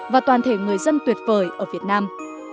và toàn thể người dân tuyệt vời ở việt nam